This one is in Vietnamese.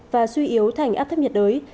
và suy yếu thành áp thấp nhiệt đới